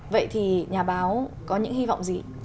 vậy thì nhà báo có những hy vọng gì